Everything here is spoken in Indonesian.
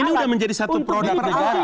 ini sudah menjadi satu produk negara